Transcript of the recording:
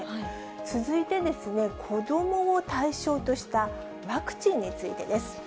続いて、子どもを対象としたワクチンについてです。